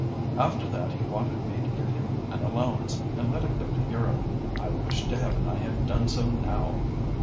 "After that he wanted me to give him an allowance, and let him go to Europe. I wish to heaven I had done so now!"